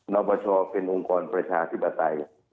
นับประชาเป็นองค์กรประชาธิบดัติ